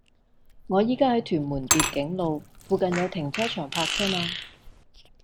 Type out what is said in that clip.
我依家喺屯門蝶景路，附近有停車場泊車嗎